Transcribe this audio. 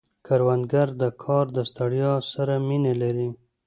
کروندګر د کار د ستړیا سره مینه لري